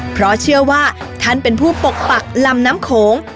เพราะเชื่อว่าท่านเป็นผู้ปกปักลำน้ำโขง